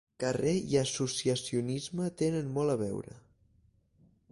Carrer i associacionisme tenen molt a veure.